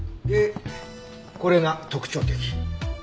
でこれが特徴的。